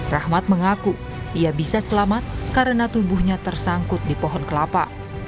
rahmat mengaku ia bisa selamat karena tubuhnya tersangkut di pohon kelapa